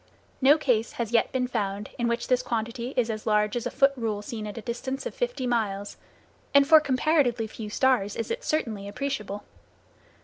No case has yet been found in which this quantity is as large as a foot rule seen at a distance of fifty miles, and for comparatively few stars is it certainly appreciable.